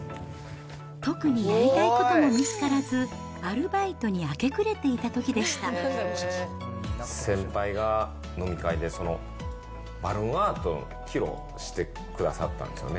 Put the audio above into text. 特にやりたいことも見つからず、アルバイトに明け暮れていたとき先輩が飲み会で、バルーンアートを披露してくださったんですよね。